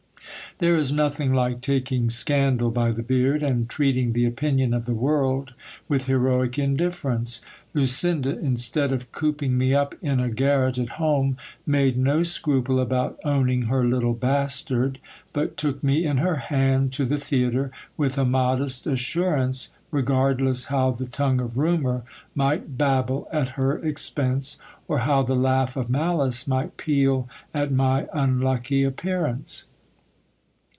There is nothing like taking scandal by the beard, and treating the opinion of the world with heroic indifference. Lucinda, instead of cooping me up in a garret at home, made no scruple about owning her little bastard, but took me in her hand to the theatre with a modest assurance, regardless how the tongue of rumour might babble at her expense, or how the laugh of malice might peal at my unlucky appearance.